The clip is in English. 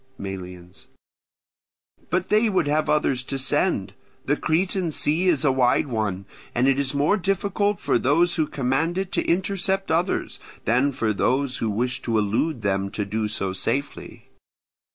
Melians. But they would have others to send. The Cretan Sea is a wide one, and it is more difficult for those who command it to intercept others, than for those who wish to elude them to do so safely.